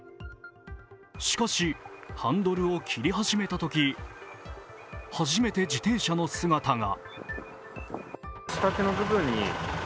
しかし、ハンドルを切り始めたとき初めて自転車の姿が。